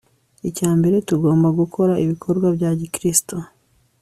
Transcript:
Icya mbere tugomba gukora ibikorwa bya gikristo